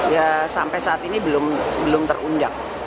ya sampai saat ini belum terundang